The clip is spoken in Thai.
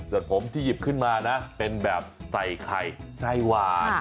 ส่วนผมที่หยิบขึ้นมานะเป็นแบบใส่ไข่ไส้หวาน